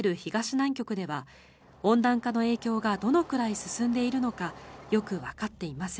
南極では温暖化の影響がどのくらい進んでいるのかよくわかっていません。